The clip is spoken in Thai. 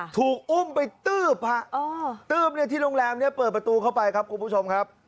ถูกอุ้มไปตือบตือบที่โรงแรมเปิดประตูเข้าไปครับหกว่าผู้ชมครับ